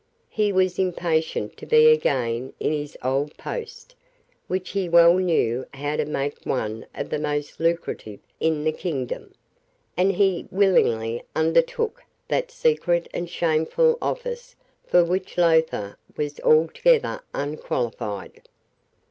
He was impatient to be again in his old post, which he well knew how to make one of the most lucrative in the kingdom; and he willingly undertook that secret and shameful office for which Lowther was altogether unqualified.